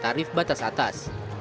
tarif batas atas